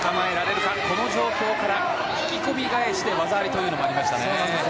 この状況から引き込み返しで技ありもありましたね。